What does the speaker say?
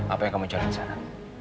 apa yang kamu cari disana